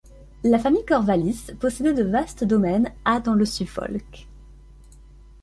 La famille Corwallis possédait de vastes domaines à dans le Suffolk.